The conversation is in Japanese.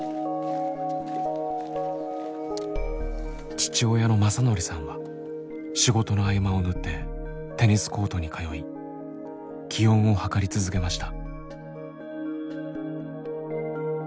父親の正則さんは仕事の合間を縫ってテニスコートに通い気温を測り続けました。